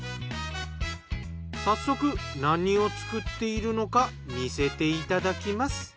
早速何を作っているのか見せていただきます。